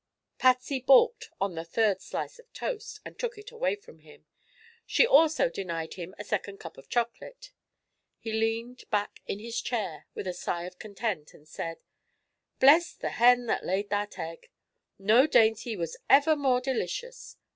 Patsy balked on the third slice of toast and took it away from him. She also denied him a second cup of chocolate. He leaned back in his chair with a sigh of content and said: "Bless the hen that laid that egg! No dainty was ever more delicious.